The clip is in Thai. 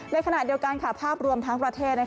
ในขณะเดียวกันภาพรวมทั้งประเทศ